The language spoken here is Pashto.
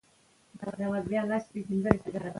د ساګزی زوی امان الله په ډایی کلی کي دولتي مځکي غصب کړي دي